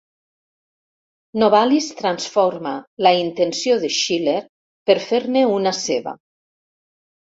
Novalis transforma la intenció de Schiller, per fer-ne una seva.